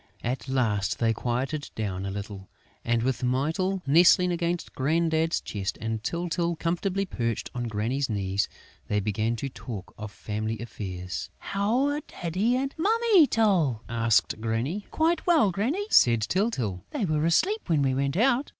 At last, they quieted down a little; and, with Mytyl nestling against Grandad's chest and Tyltyl comfortably perched on Granny's knees, they began to talk of family affairs: "How are Daddy and Mummy Tyl?" asked Granny. "Quite well, Granny," said Tyltyl. "They were asleep when we went out."